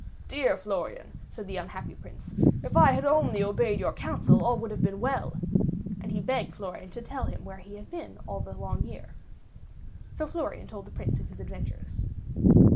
"Dear Florian," said the unhappy Prince, "if I had only obeyed your counsel, all would have been well." And he begged Florian to tell him where he had been all the long year. So Florian told the Prince of his adventures.